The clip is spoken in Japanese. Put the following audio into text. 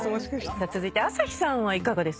続いてアサヒさんはいかがですか？